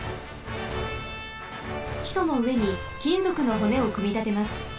きそのうえにきんぞくのほねをくみたてます。